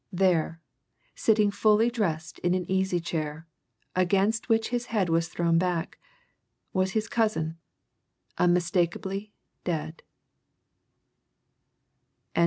There, sitting fully dressed in an easy chair, against which his head was thrown back, was his cousin unmistakably dead.